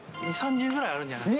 ２、３０ぐらいあるんじゃな